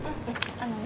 あのね